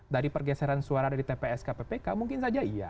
dari pergeseran suara dari tps ke ppk mungkin saja iya